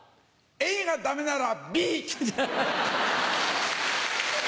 ＡがだめならＢ。